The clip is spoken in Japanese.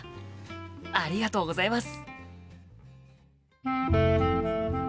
ありがとうございます！